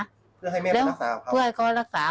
เพื่อให้แม่เขารักษาของเขาเพื่อให้เขารักษา